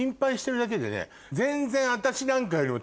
全然。